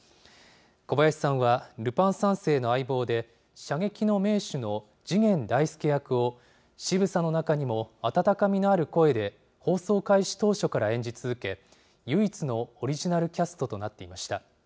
小林さんはルパン三世の相棒で、射撃の名手の次元大介役を渋さの中にも温かみのある声で放送開始当初から演じ続け、唯一のオリジナルキャストとなっていました。